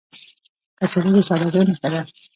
کچالو د سادګۍ نښه ده